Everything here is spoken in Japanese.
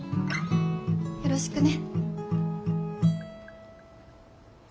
よろしくね。